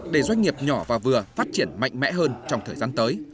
để doanh nghiệp nhỏ và vừa phát triển mạnh mẽ hơn trong thời gian tới